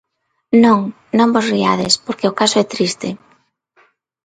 Non; non vos riades, porque o caso é triste.